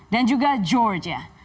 dan juga georgia